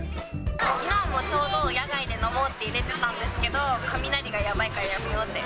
きのうもちょうど野外で飲もうって入れてたんですけど、雷がやばいからやめようって。